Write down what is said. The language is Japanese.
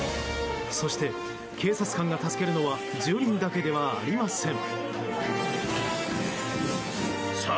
そして警察官が助けるのは住人だけではありません。